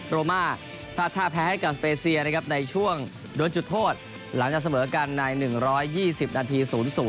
โรมาพลาดท่าแพ้ให้กับสเปเซียนะครับในช่วงโดนจุดโทษหลังจากเสมอกันใน๑๒๐นาที๐๐